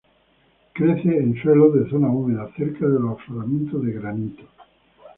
Crece en suelos de zonas húmedas cerca de los afloramientos de granito.